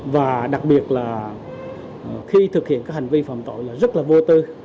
và đặc biệt là khi thực hiện các hành vi phạm tội là rất là vô tư